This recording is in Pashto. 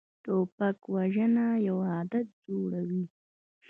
توپک وژنه یو عادت جوړوي.